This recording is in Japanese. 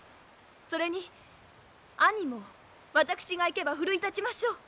それに兄も私が行けば奮い立ちましょう。